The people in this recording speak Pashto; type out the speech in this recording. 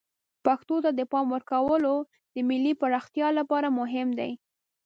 پښتو ته د پام ورکول د ملی پراختیا لپاره مهم دی.